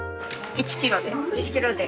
１キロで。